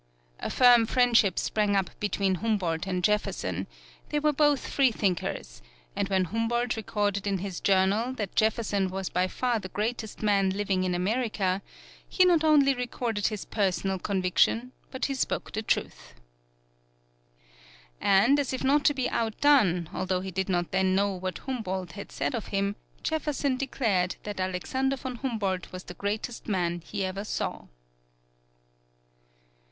A firm friendship sprang up between Humboldt and Jefferson: they were both freethinkers, and when Humboldt recorded in his journal that Jefferson was by far the greatest man living in America, he not only recorded his personal conviction, but he spoke the truth. And as if not to be outdone, although he did not then know what Humboldt had said of him, Jefferson declared that Alexander von Humboldt was the greatest man he ever saw.